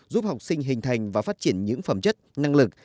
giúp học sinh hình thành và phát triển những phẩm chất năng lực